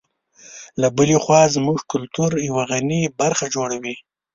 له بلې خوا زموږ کلتور یوه غني برخه جوړوي.